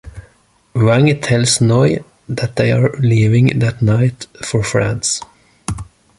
Vang tells Noi that they are leaving that night for France.